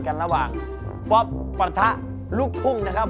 กันระหว่างป๊อบปะทะลูกทุ่ง